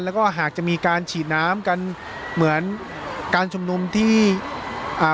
แล้วก็หากจะมีการฉีดน้ำกันเหมือนการชุมนุมที่อ่า